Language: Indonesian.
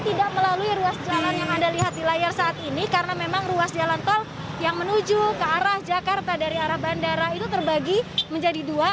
tidak melalui ruas jalan yang anda lihat di layar saat ini karena memang ruas jalan tol yang menuju ke arah jakarta dari arah bandara itu terbagi menjadi dua